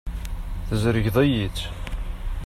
Tzergeḍ-iyi-tt.